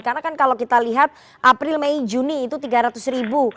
karena kan kalau kita lihat april mei juni itu tiga ratus ribu